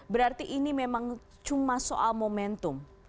berarti ini memang cuma soal momentum